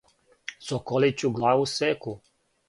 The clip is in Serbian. Соколићу главу секу.